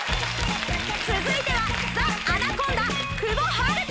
続いてはザ・アナコンダ久保遥！